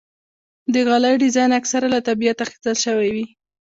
د غالۍ ډیزاین اکثره له طبیعت اخیستل شوی وي.